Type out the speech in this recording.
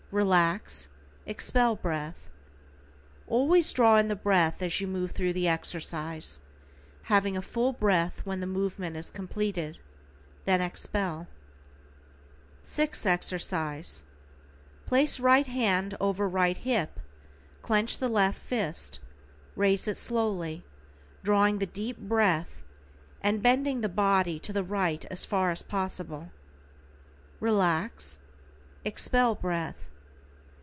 Relax, expel breath. Always draw in the breath as you move through the exercise, having a full breath when the movement is completed, then expel. =SIXTH EXERCISE:= Place right hand over right hip, clench the left fist, raise it slowly, drawing the deep breath, and bending the body to the right as far as possible. Relax, expel breath.